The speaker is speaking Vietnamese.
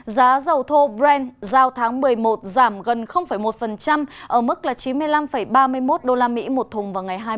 giá dầu thô brent giao tháng một mươi một giảm gần một ở mức chín mươi năm ba mươi một usd một thùng vào ngày hai mươi chín tháng chín